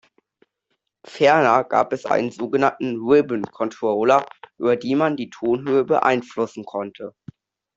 Ferner gab es einen so genannten Ribbon-Controller, über die man die Tonhöhe beeinflussen konnte.